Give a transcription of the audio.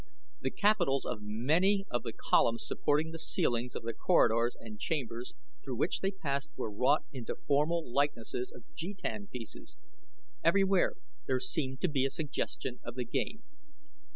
The capitals of many of the columns supporting the ceilings of the corridors and chambers through which they passed were wrought into formal likenesses of jetan pieces everywhere there seemed a suggestion of the game.